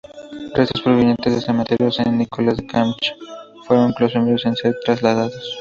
Restos provenientes del cementerio "Saint Nicolas des Champs" fueron los primeros en ser trasladados.